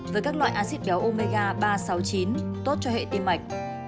với các loại acid béo omega ba sáu chín tốt cho hệ tim mạch